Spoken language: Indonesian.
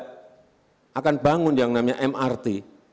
kita akan bangun yang namanya mrt